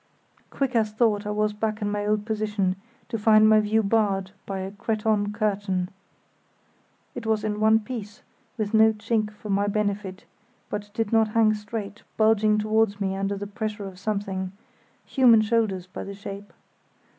Quick as thought I was back in my old position, to find my view barred by a cretonne curtain. It was in one piece, with no chink for my benefit, but it did not hang straight, bulging towards me under the pressure of something—human shoulders by the shape.